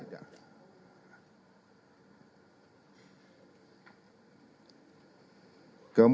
kemudian korban menyatakan bahwa